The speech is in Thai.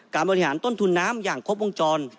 การบริหารต้นทุนน้ำอย่างครบวงจร